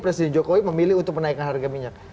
presiden jokowi memilih untuk menaikkan harga minyak